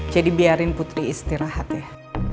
jadi biarin putri istirahat ya